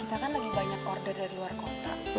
kita kan lagi banyak order dari luar kota